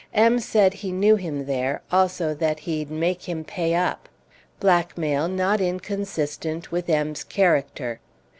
M. said he knew him there; also that "he'd make him" pay up! Blackmail not inconsistent with M.'s character.